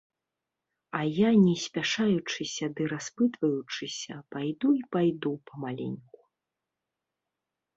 А я не спяшаючыся ды распытваючыся пайду і пайду памаленьку.